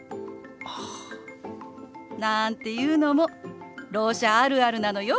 なんていうのも「ろう者あるある」なのよ。